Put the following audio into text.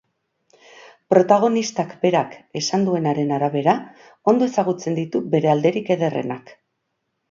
Protagonistak berak esan duenaren arabera, ondo ezagutzen ditu bere alderik ederrenak.